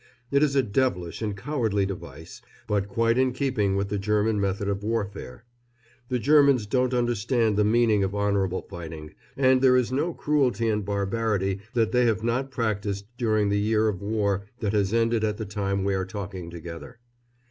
It is a devilish and cowardly device, but quite in keeping with the German method of warfare. The Germans don't understand the meaning of honourable fighting, and there is no cruelty and barbarity that they have not practised during the year of war that has ended at the time we are talking together.